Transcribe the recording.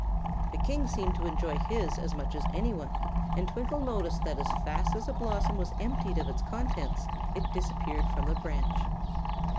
The King seemed to enjoy his as much as any one, and Twinkle noticed that as fast as a blossom was emptied of its contents it disappeared from the branch.